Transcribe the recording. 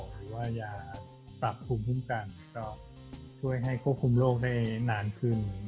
หรือว่ายาปรับภูมิคุ้มกันก็ช่วยให้ควบคุมโรคได้นานขึ้น